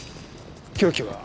凶器は？